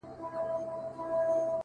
ه ياره ځوانيمرگ شې مړ شې لولپه شې!!